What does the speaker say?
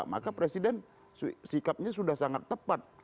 maka presiden sikapnya sudah sangat tepat